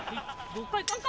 どっか行かんか！